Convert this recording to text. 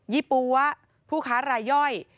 ี่ปั๊วผู้ค้ารายย่อย